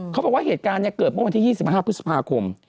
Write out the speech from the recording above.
เขาบอกว่าเหตุการณ์เกิดเมื่อวันที่๒๕พฤษภาคม